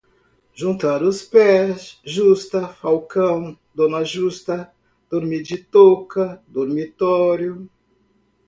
juntar os pés, justa, falcão, dona justa, dormir de touca, dormitório